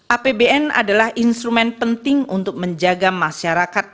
apbn adalah instrumen penting untuk menjaga masyarakat